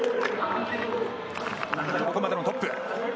ここまでのトップ。